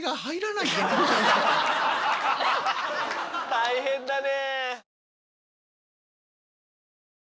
大変だね。